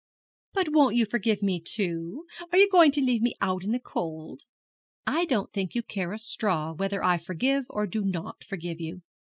'But won't you forgive me too? Are you going to leave me out in the cold?' 'I don't think you care a straw whether I forgive or do not forgive you.